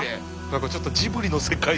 何かちょっとジブリの世界。